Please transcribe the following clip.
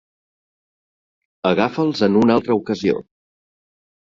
Agafa'ls en una altra ocasió.